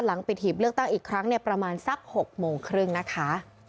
หลังปิดหีบเลือกตั้งอีกครั้งประมาณสัก๖โมงครึ่งนะคะ